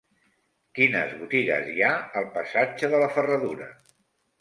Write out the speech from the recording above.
Quines botigues hi ha al passatge de la Ferradura?